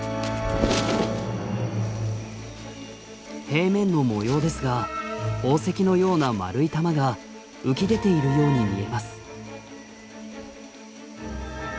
平面の模様ですが宝石のような丸い玉が浮き出ているように見えます。